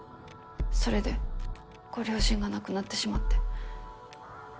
それでご両親が亡くなってしまって。